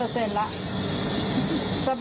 แล้วก็ไม่พบ